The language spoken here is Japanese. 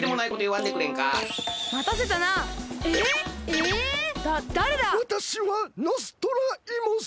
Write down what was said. わたしはノストライモス。